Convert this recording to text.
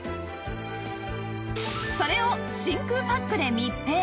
それを真空パックで密閉